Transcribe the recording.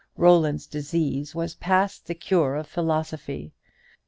Roland's disease was past the cure of philosophy.